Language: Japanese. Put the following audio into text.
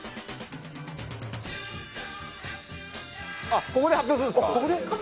あっここで発表するんですか？